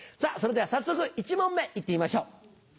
それでは早速１問目行ってみましょう。